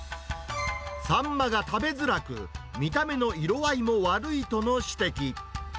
サンマが食べづらく、見た目の色合いも悪いとの指摘。